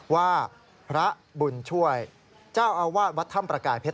ว่าพระบุญช่วยเจ้าอาวาสวัดถ้ำประกายเพชร